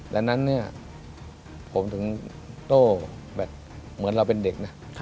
ดังนั้นเนี่ยผมถึงโต้แบบเหมือนเราเป็นเด็กนะ